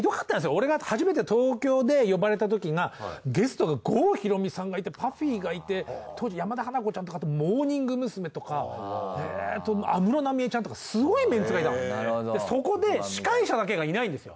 俺が初めて東京で呼ばれたときがゲストが郷ひろみさんがいてＰＵＦＦＹがいて当時山田花子ちゃんとかモーニング娘とか安室奈美恵ちゃんとかそこで司会者だけがいないんですよ。